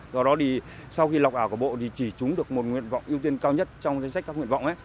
do đó thì sau khi lọc ảo của bộ thì chỉ trúng được một nguyện vọng ưu tiên cao nhất trong danh sách các nguyện vọng